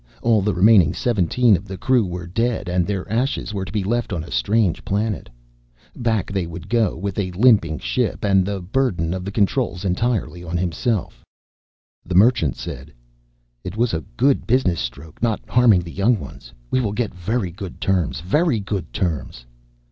All the remaining seventeen of the crew were dead and their ashes were to be left on a strange planet. Back they would go with a limping ship and the burden of the controls entirely on himself. The Merchant said, "It was a good business stroke, not harming the young ones. We will get very good terms; very good terms."